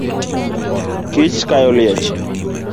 Kich kayo liech